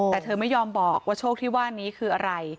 แต่เธอไม่ยอมบอกว่าโชคที่ว่านี้คืออะไร